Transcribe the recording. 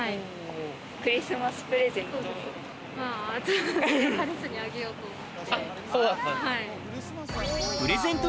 クリスマスプレゼントを。